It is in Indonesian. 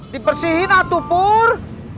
dipersihin atu pur